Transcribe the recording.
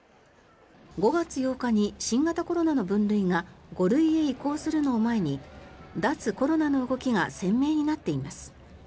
５月８日に新型コロナの分類が５類へ移行するのを前に脱コロナの動きが鮮明になっています。